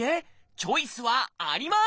チョイスはあります！